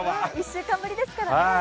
１週間ぶりですからね。